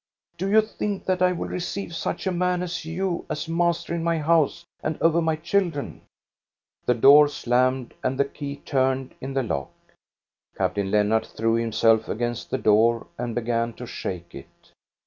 ■' Do you think that I will receive such a man as you as master in my house and over my children?" The door slammed and the key turned in the lock. Captain Lennart threw himself against the door and began to shake it.